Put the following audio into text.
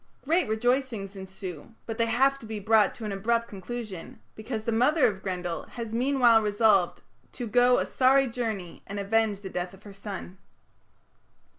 Great rejoicings ensue, but they have to be brought to an abrupt conclusion, because the mother of Grendel has meanwhile resolved "to go a sorry journey and avenge the death of her son".